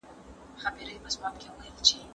په انګلستان کي کله کله ځیني استادان څېړونکي نه وي.